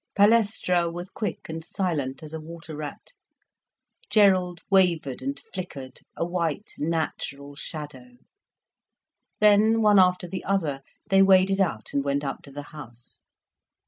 Palestra was quick and silent as a water rat, Gerald wavered and flickered, a white natural shadow. Then, one after the other, they waded out, and went up to the house.